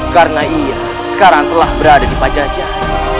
karena ia sekarang telah berada di pajajah